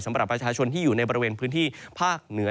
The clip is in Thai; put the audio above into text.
สำหรับประชาชนที่อยู่ในบริเวณพื้นที่ภาคเหนือ